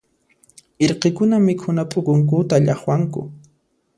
Irqikuna mikhuna p'ukunkuta llaqwanku.